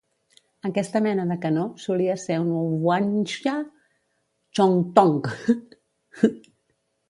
Aquesta mena de canó solia ser un hwangja-chongtong.